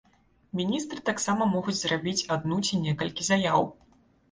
Міністры таксама могуць зрабіць адну ці некалькі заяў.